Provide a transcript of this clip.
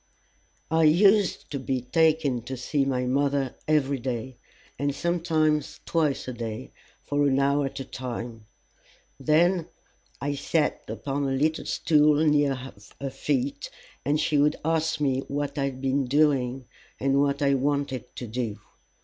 I used to be taken to see my mother every day, and sometimes twice a day, for an hour at a time. Then I sat upon a little stool near her feet, and she would ask me what I had been doing, and what I wanted to do.